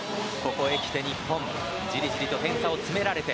ここへきて日本じりじり点差を詰められて。